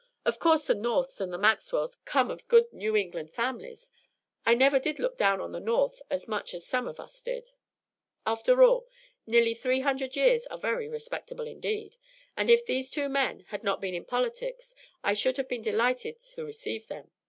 "Of course the Norths and the Maxwells come of good New England families I never did look down on the North as much as some of us did; after all, nearly three hundred years are very respectable indeed and if these two men had not been in politics I should have been delighted to receive them.